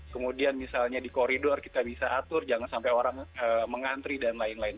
kemudian misalnya di koridor kita bisa atur jangan sampai orang mengantri dan lain lain